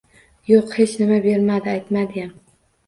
Yoʻq, hech nima bermadi, aytmadiyam.